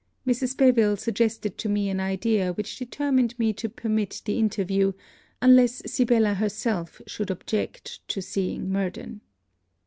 Mrs. Beville suggested to me an idea which determined me to permit the interview, unless Sibella herself should object to seeing Murden.